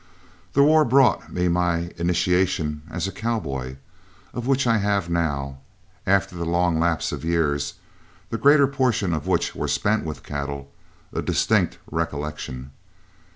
The war brought me my initiation as a cowboy, of which I have now, after the long lapse of years, the greater portion of which were spent with cattle, a distinct recollection.